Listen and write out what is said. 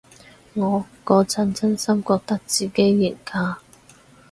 我嗰陣真心覺得自己型㗎